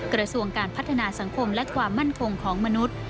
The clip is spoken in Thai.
กระทรวงการพัฒนาสังคมและความมั่นคงของมนุษย์